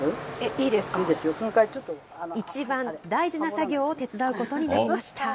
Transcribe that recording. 一番大事な作業を手伝うことになりました。